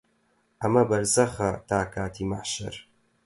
ئەمە بەرزەخە تا کاتی مەحشەر